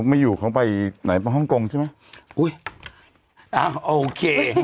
ไม่อยู่เขาไปไหนฮ่องกงใช่ไหมอุ้ยอ้าวโอเค